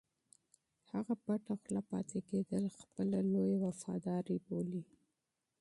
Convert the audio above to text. هغه خاموشه پاتې کېدل خپله لویه وفاداري بولي.